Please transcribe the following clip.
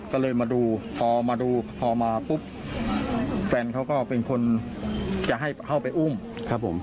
ก็เลยมาดูพอมาดูพอมาปุ๊บแฟนเขาก็เป็นคนจะให้เข้าไปอุ้มครับผม